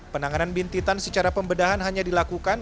penanganan bintitan secara pembedahan hanya dilakukan